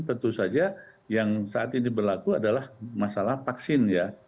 tentu saja yang saat ini berlaku adalah masalah vaksin ya